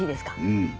うん。